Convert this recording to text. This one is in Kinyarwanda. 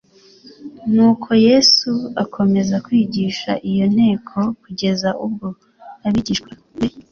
Nuko Yesu akomeza kwigisha iyo nteko kugeza ubwo abigishwa be